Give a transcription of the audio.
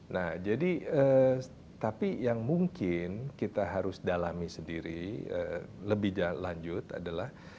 nah jadi tapi yang mungkin kita harus dalami sendiri lebih lanjut adalah